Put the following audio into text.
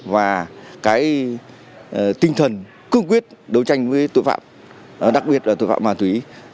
và cái tinh thần cương quyết đấu tranh với tội phạm đặc biệt là tội phạm ma túy